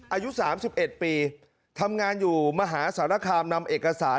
อายุ๓๑ปีทำงานอยู่มหาสารคามนำเอกสาร